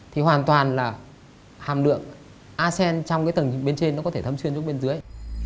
thì hoàn toàn là hàm lượng a sen trong cái tầng bên trên nó có thể thâm xuyên xuống bên dưới